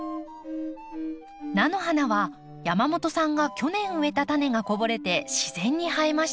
菜の花は山本さんが去年植えたタネがこぼれて自然に生えました。